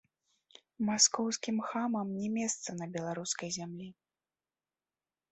Маскоўскім хамам не месца на беларускай зямлі!